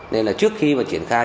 nên là trước khi mà triển khai